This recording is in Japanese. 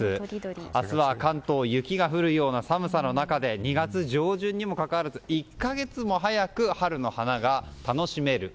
明日は関東雪が降るような寒さの中で２月上旬にもかかわらず１か月も早く春の花が楽しめる。